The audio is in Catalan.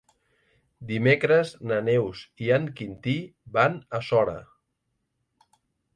Dimecres na Neus i en Quintí van a Sora.